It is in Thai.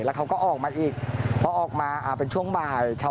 แต่ตอนนี้ติดต่อน้องไม่ได้